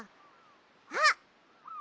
あっ！